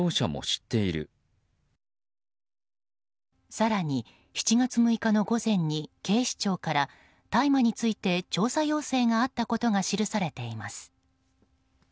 更に、７月６日の午前に警視庁から大麻について調査要請があったことが記されています。